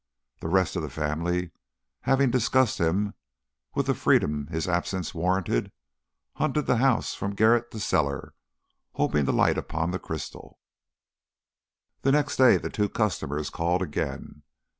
The rest of the family, having discussed him with the freedom his absence warranted, hunted the house from garret to cellar, hoping to light upon the crystal. The next day the two customers called again.